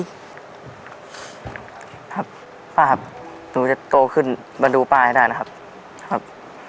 ครับป้าครับหนูจะโตขึ้นมาดูป้าให้ได้นะครับครับ